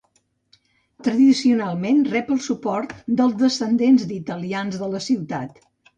Tradicionalment rep el suport dels descendents d'italians de la ciutat.